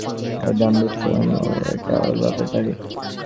কুমুদিনীকে যতই মানাক না কেন, এর দাম তুচ্ছ এবং এটা ওর বাপের বাড়ির।